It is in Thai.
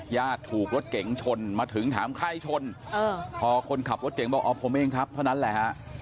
ถูกรถเก๋งชนมาถึงถามใครชนพอคนขับรถเก่งบอกอ๋อผมเองครับเท่านั้นแหละฮะ